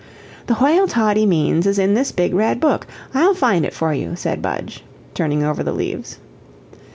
"The whale Toddie means is in this big red book, I'll find it for you," said Budge, turning over the leaves.